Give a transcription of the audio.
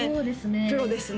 プロですね